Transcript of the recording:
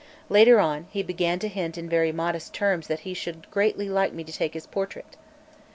Later on, he began to hint in very modest terms that he should greatly like me to take his portrait.